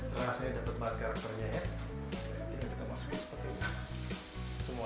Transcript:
terasa saya dapat banget karakternya ya